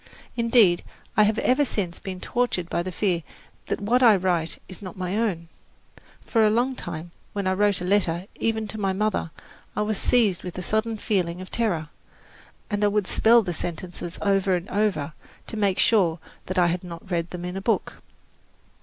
Indeed, I have ever since been tortured by the fear that what I write is not my own. For a long time, when I wrote a letter, even to my mother, I was seized with a sudden feeling of terror, and I would spell the sentences over and over, to make sure that I had not read them in a book.